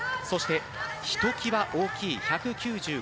そしてひときわ大きい１９５ｃｍ